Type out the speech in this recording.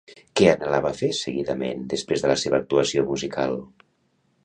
Què anhelava fer seguidament després de la seva actuació musical?